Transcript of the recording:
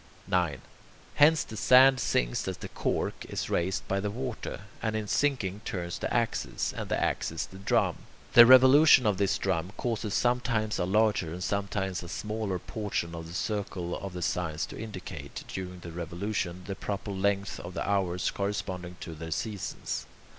9. Hence, the sand sinks as the "cork" is raised by the water, and in sinking turns the axis, and the axis the drum. The revolution of this drum causes sometimes a larger and sometimes a smaller portion of the circle of the signs to indicate, during the revolutions, the proper length of the hours corresponding to their seasons.